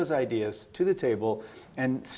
membawa ide tersebut ke atas